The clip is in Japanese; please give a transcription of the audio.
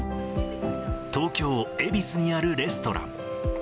東京・恵比寿にあるレストラン。